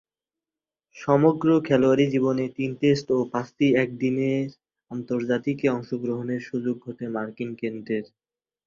সমগ্র খেলোয়াড়ী জীবনে তিন টেস্ট ও পাঁচটি একদিনের আন্তর্জাতিকে অংশগ্রহণের সুযোগ ঘটে মার্টিন কেন্টের।